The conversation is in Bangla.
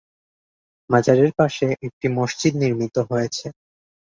মাজারের পাশে একটি মসজিদ নির্মিত হয়েছে।